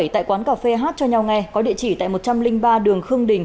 tại quán cà phê hát cho nhau nghe có địa chỉ tại một trăm linh ba đường khương đình